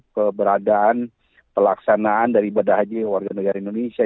keberadaan pelaksanaan dari ibadah haji warga negara indonesia